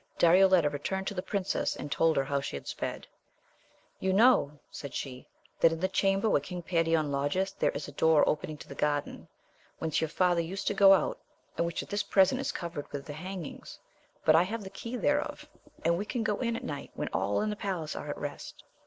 Darioleta returned. to the Princess and told her how she had sped ; you know, said she, that in the chamber where King Perion lodgeth there is a door opening to the garden, whence your father used to go out, and which at this present is covered with the hangings ; but I have the key thereof, and we can go in at night, when all in the palace are at rest.